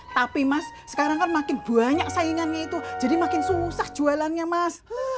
tapi mas sekarang kan makin banyak saingannya itu jadi makin susah jualannya mas